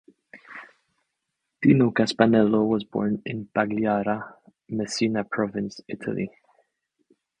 Tino Caspanello was born in Pagliara, Messina province, Italy.